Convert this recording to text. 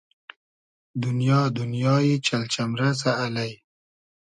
دونیا دونیای چئل چئمرئسۂ الݷ